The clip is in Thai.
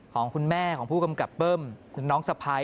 ของคุณแม่ของผู้กำกับเบิ้มคุณน้องสะพาย